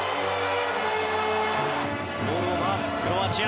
ボールを回すクロアチア。